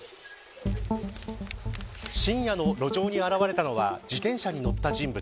深夜の路上に現れたのは自転車に乗った人物。